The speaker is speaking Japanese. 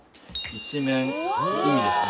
一面海ですね。